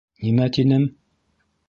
Нимә тинем?